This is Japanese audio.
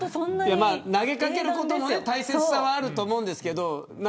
投げかけることの大切さはあると思うんですけど。